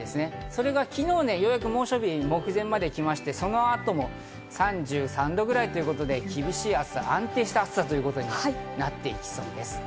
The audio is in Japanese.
それが昨日ようやく猛暑日目前まで来てそのあとも３３度ぐらいということで、厳しい暑さ、安定した暑さということになっていきそうです。